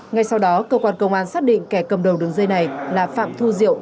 ngay sau đó cơ quan công an xác định kẻ cầm đầu đường dây này là phạm thu diệu